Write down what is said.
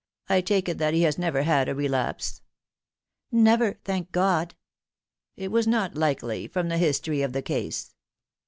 I take it that he has never had a relapse ?"" Never, thank God !"" It was not likely, from the history of the case."